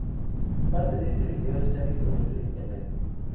Parte de este vídeo está disponible en internet.